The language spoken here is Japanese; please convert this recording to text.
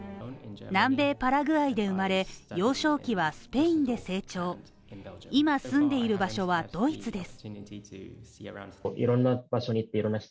南米パラグアイで生まれ、幼少期はスペインで成長し、今住んでいる場所はドイツです